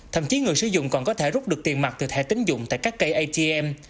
thậm chí người sử dụng còn có thể rút được tiền mặt từ thẻ tính dụng tại các cây atm